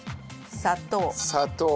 砂糖。